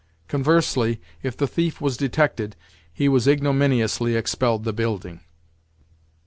Conversely, if the thief was detected, he was ignominiously expelled the building.